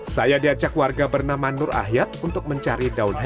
saya diajak warga bernama nur ahyad untuk mencari daun hibur